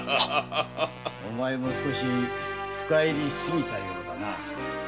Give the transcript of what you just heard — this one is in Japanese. お前も少し深入りしすぎたようだな。